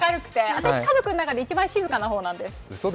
私、家族の中で一番静かな方なんです。